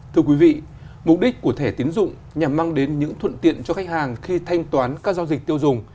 thưa quý vị mục đích của thẻ tiến dụng nhằm mang đến những thuận tiện cho khách hàng khi thanh toán các giao dịch tiêu dùng